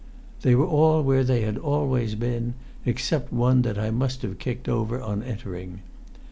They were all where they had always been, except one that I must have kicked over on entering.